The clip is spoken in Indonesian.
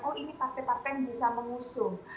oh ini partai partai yang bisa mengusung